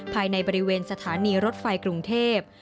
ภายในบริเวณสถานีรถไฟกรุงเทพ